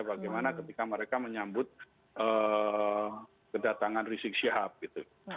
bagaimana ketika mereka menyambut kedatangan rizik syihab gitu